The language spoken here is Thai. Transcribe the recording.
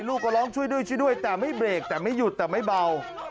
ลูกก็ร้องช่วยด้วยช่วยด้วยแต่ไม่เบรกแต่ไม่หยุดแต่ไม่เบา